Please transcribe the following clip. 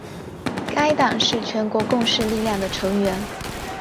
该党是全国共识力量的成员。